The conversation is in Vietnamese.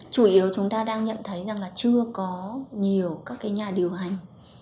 chủ yếu chúng ta đang nhận thấy rằng là chưa có nhiều các cái nhà điều hành